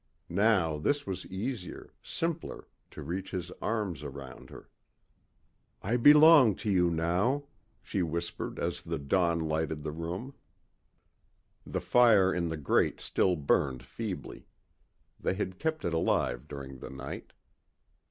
Now this was easier, simpler to reach his arms around her.... ... "I belong to you now," she whispered as the dawn lighted the room. The fire in the grate still burned feebly. They had kept it alive during the night.